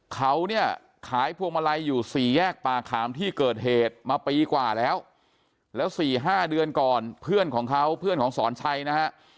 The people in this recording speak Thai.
เขาเนี่ยขายพวงมาลัยอยู่สี่แยกป่าขามที่เกิดเหตุมาปีกว่าแล้วแล้ว๔๕เดือนก่อนเพื่อนของเขาเพื่อนของสอนชัยนะฮะ